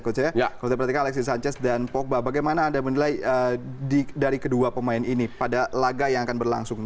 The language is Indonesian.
kalau kita perhatikan alexis sanchez dan pogba bagaimana anda menilai dari kedua pemain ini pada laga yang akan berlangsung